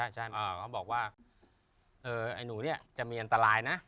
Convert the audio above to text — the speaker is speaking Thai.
ใช่เขาบอกว่าไอ้หนูเนี่ยจะมีอันตรายนะ